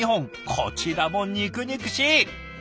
こちらも肉々しい！